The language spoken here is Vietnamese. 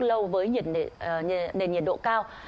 lâu với nền nhiệt độ cao